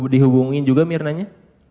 dihubungin juga myrna nya